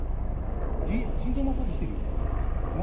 心臓マッサージしてるよ。